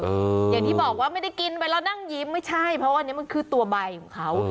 อย่างที่บอกว่าไม่ได้กินไปแล้วนั่งยิ้มไม่ใช่เพราะอันนี้มันคือตัวใบของเขา